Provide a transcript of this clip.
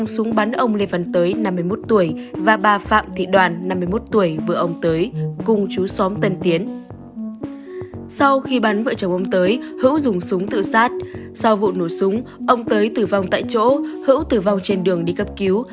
sau khi bắn vợ chồng ông tới hữu dùng súng tự sát sau vụ nổ súng ông tới tử vong tại chỗ hữu tử vong trên đường đi cấp cứu